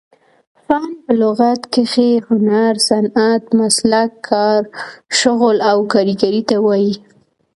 فن په لغت کښي هنر، صنعت، مسلک، کار، شغل او کاریګرۍ ته وايي.